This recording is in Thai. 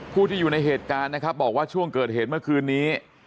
ผู้ที่อยู่ในเหตุการณ์นะครับบอกว่าช่วงเกิดเหตุเมื่อคืนนี้